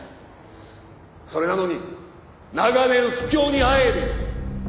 「それなのに長年不況にあえいでいる」